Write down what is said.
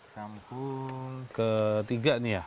kampung ke tiga ini ya